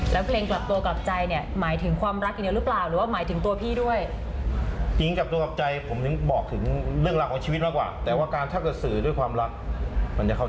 และเพลงกลับตัวกลับใจเนี่ยหมายถึงความรักอย่างเดียวหรือบ้า